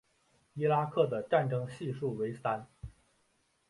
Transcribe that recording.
伊拉克的战争系数为三。